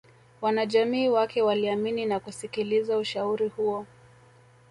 Wanajamii wake waliamini na kusikiliza ushauri huo